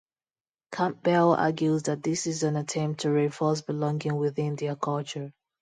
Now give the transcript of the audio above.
Campbell argues that this is in an attempt to reinforce belonging within their culture.